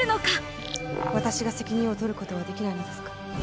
私が責任を取ることはできないのですか。